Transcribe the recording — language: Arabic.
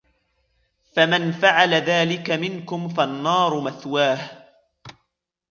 فَمَنْ فَعَلَ ذَلِكَ مِنْكُمْ فَالنَّارُ مَثْوَاهُ